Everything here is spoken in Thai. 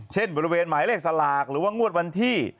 เช่นบริเวณหมายเลขสลากหรือว่างวดวันที่